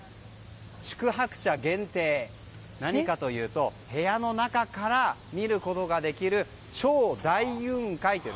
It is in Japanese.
宿泊者限定で部屋の中から見ることができる超大雲海という。